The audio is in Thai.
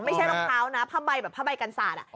ไม่ใช่รองเท้านะผ้าใบแบบผ้าใบกันสาด